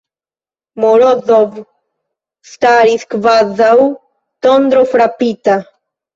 Morozov staris kvazaŭ tondrofrapita.